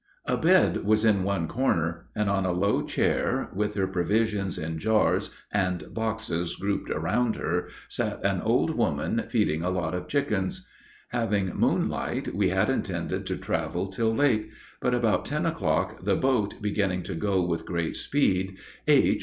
A bed was in one corner, and on a low chair, with her provisions in jars and boxes grouped round her, sat an old woman feeding a lot of chickens. [Footnote 1: More likely twelve yards. G.W.C.] Having moonlight, we had intended to travel till late. But about ten o'clock, the boat beginning to go with great speed, H.